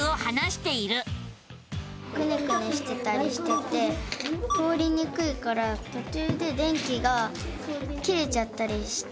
くねくねしてたりしてて通りにくいからとちゅうで電気が切れちゃったりして。